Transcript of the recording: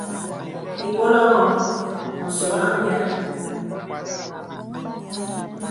Ìbɔlàŋ ɔ̄ɔ̄ mə sɔlaŋ nyɛ.